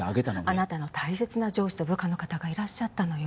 あなたの大切な上司と部下の方がいらっしゃったのよ